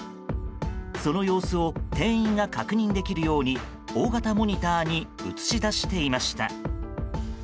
その様子を店員が確認できるように大型モニターに映し出していました。